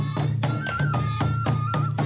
สวัสดีครับ